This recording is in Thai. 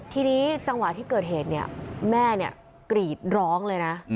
ทีนี้จังหวะที่เกิดเหตุเนี่ยแม่กรีดร้องเลยนะ